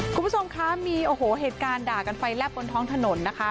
คุณผู้ชมคะมีโอ้โหเหตุการณ์ด่ากันไฟแลบบนท้องถนนนะคะ